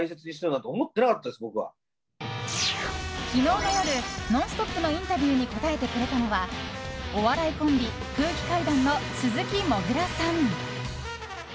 昨日の夜「ノンストップ！」のインタビューに答えてくれたのはお笑いコンビ、空気階段の鈴木もぐらさん。